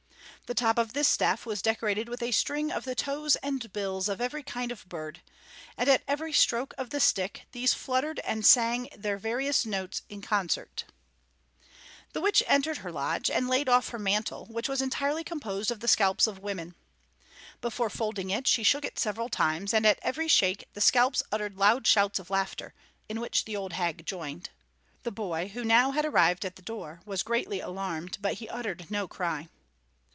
The top of this staff was decorated with a string of the toes and bills of every kind of bird, and at every stroke of the stick these fluttered and sang their various notes in concert: The witch entered her lodge and laid off her mantle, which was entirely composed of the scalps of women. Before folding it, she shook it several times, and at every shake the scalps uttered loud shouts of laughter, in which the old hag joined. The boy, who now had arrived at the door, was greatly alarmed, but he uttered no cry.